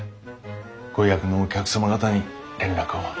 ご予約のお客様方に連絡を。